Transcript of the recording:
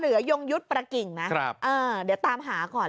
ยงยุทธ์ประกิ่งนะเดี๋ยวตามหาก่อน